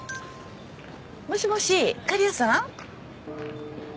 もしもし狩矢さん？